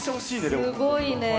すごいね。